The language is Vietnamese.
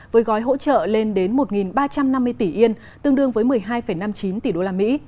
với gói hỗ trợ lên đến một ba trăm năm mươi tỷ yên tương đương với một mươi hai năm mươi chín tỷ đô la mỹ